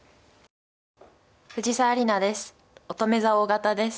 藤沢里菜です。